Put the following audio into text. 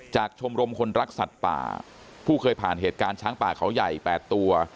ชมรมคนรักสัตว์ป่าผู้เคยผ่านเหตุการณ์ช้างป่าเขาใหญ่๘ตัว